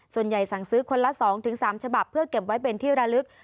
สั่งซื้อคนละ๒๓ฉบับเพื่อเก็บไว้เป็นที่ระลึก